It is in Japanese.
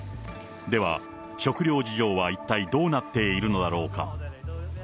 では、食料事情は一体どうなっているのだろうか。